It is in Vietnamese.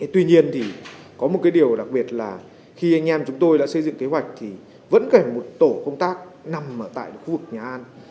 tuy nhiên thì có một điều đặc biệt là khi anh em chúng tôi đã xây dựng kế hoạch thì vẫn cần một tổ công tác nằm tại khu vực nhà an